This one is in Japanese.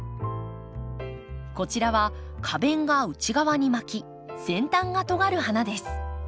こちらは花弁が内側に巻き先端がとがる花です。